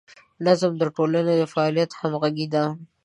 نظم د ټولنې د فعالیتونو همغږي ده.